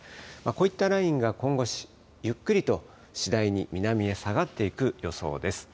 こういったラインが今後、ゆっくりと次第に南へ下がっていく予想です。